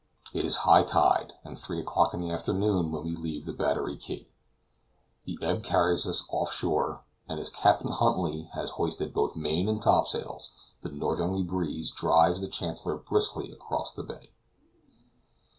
It is high tide, and three o'clock in the afternoon when we leave the Battery quay; the ebb carries us off shore, and as Captain Huntly has hoisted both main and top sails, the northerly breeze drives the Chancellor briskly across the bay.